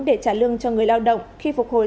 để trả lương cho người lao động khi phục hồi